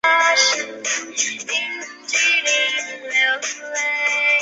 却找不到她的皮包和钥匙。